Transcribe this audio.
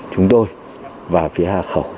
chúng tôi và phía hà khẩu